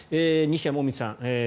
西矢椛さん